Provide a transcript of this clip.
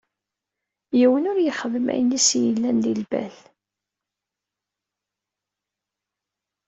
Yiwen, ur ixeddem ayen i as-yellan di lbal.